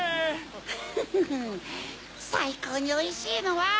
フフフフさいこうにおいしいのは。